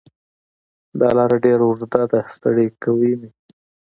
دا لار ډېره اوږده ده ستړی کوی مې